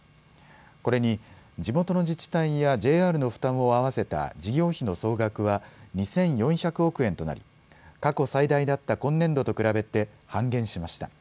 これに地元の自治体やＪＲの負担を合わせた事業費の総額は２４００億円となり過去最大だった今年度と比べて半減しました。